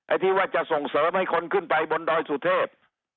ที่ว่าจะส่งเสริมให้คนขึ้นไปบนดอยสุเทพ